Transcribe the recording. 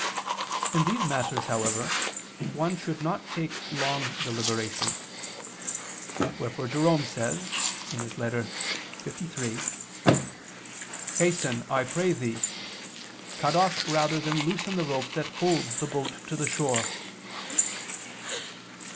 In these matters, however, one should not take long deliberation. Wherefore Jerome says (Ep. and Paulin. liii): "Hasten, I pray thee, cut off rather than loosen the rope that holds the boat to the shore."